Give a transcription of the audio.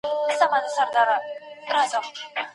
ای د ږیري خاونده، ډنډ ته د چاڼ ماشین یوسه.